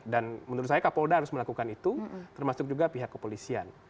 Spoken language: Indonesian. dan menurut saya kapolda harus melakukan itu termasuk juga pihak kepolisian